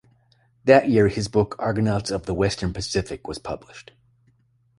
That year his book "Argonauts of the Western Pacific" was published.